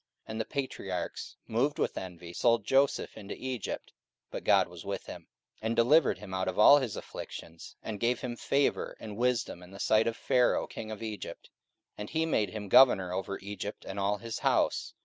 44:007:009 And the patriarchs, moved with envy, sold Joseph into Egypt: but God was with him, 44:007:010 And delivered him out of all his afflictions, and gave him favour and wisdom in the sight of Pharaoh king of Egypt; and he made him governor over Egypt and all his house.